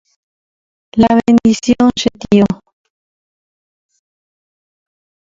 La bendición che tio.